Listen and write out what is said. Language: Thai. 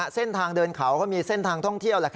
เส้นทางเดินเขาเขามีเส้นทางท่องเที่ยว